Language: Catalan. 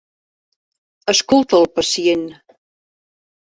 Escolta el pacient.